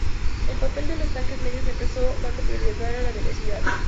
El papel de los tanques medios empezó dando prioridad a la velocidad.